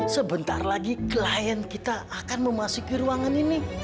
sebentar lagi klien kita akan memasuki ruangan ini